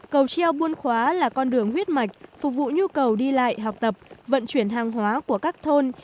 cầu treo buôn khóa là con đường huyết mạch phục vụ nhu cầu đi lại học tập vận chuyển hàng hóa của các thôn